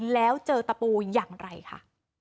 แล้วเจอตะปูอย่างไรค่ะ